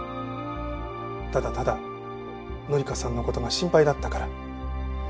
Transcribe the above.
ただただ紀香さんの事が心配だったから。